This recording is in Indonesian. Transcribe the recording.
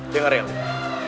dengar ya oli